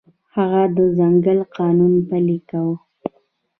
هغه د ځنګل قانون پلی کاوه.